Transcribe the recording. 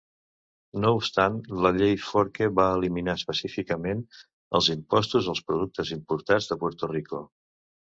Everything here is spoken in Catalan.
No obstant, la llei Forker va eliminar específicament els impostos als productes importats de Puerto Rico.